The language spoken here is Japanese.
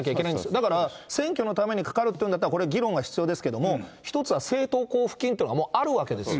だから選挙のためにかかるっていうんだったら、これ、議論が必要ですけど、一つは政党交付金っていうのがもうあるわけですよ。